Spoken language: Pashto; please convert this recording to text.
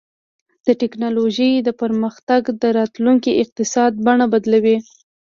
د ټیکنالوژۍ دا پرمختګونه د راتلونکي اقتصاد بڼه بدلوي.